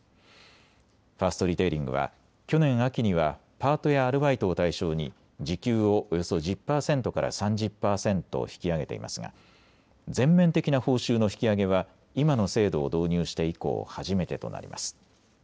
ファーストリテイリングは去年秋にはパートやアルバイトを対象に時給をおよそ１０％から３０％引き上げていますが全面的な報酬の引き上げは今の制度を導入して以降、初めてとなります。